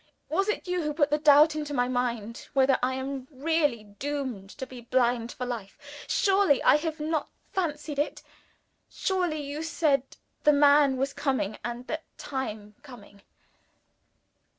Was it you who put the doubt into my mind, whether I am really doomed to be blind for life? Surely, I have not fancied it? Surely, you said the man was coming, and the time coming?"